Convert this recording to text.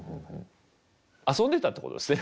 遊んでたってことですね？